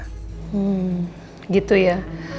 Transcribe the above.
hmm gitu ya